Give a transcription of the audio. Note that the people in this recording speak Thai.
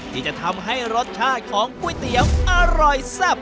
ที่จะทำให้รสชาติของก๋วยเตี๋ยวอร่อยแซ่บ